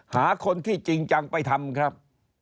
หาคนที่จริงจังไปทำครับ